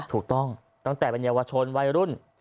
ถูกต้องตั้งแต่เป็นเยาวชนวัยรุ่น